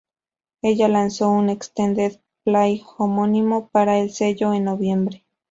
Ella lanzó un extended play homónimo para el sello en noviembre.